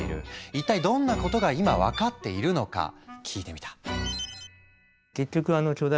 一体どんなことが今分かっているのか聞いてみた。